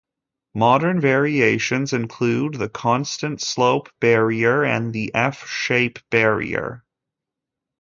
Modern variations include the constant-slope barrier and the F-shape barrier.